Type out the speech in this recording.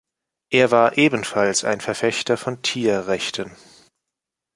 Er war ebenfalls ein Verfechter von Tierrechten.